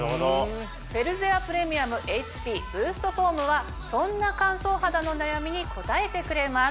フェルゼアプレミアムＨＰブーストフォームはそんな乾燥肌の悩みに応えてくれます。